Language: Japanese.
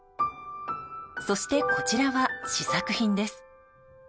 そして、こちらは試作品です。